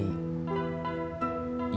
iuran masih dikendali